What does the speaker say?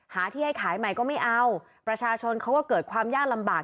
ที่ให้ขายใหม่ก็ไม่เอาประชาชนเขาก็เกิดความยากลำบาก